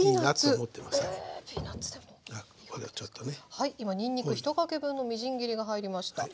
はい今にんにく１かけ分のみじん切りが入りました。